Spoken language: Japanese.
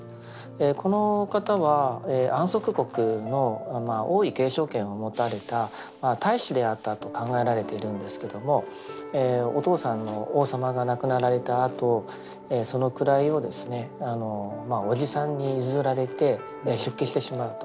この方は安息国の王位継承権を持たれた太子であったと考えられているんですけどもお父さんの王様が亡くなられたあとその位をですねおじさんに譲られて出家してしまうと。